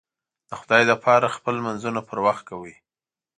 د خدای لپاره خپل لمونځونه پر وخت کوئ